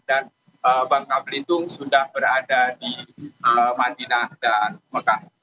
dan bangka pelindung sudah berada di medina dan mekah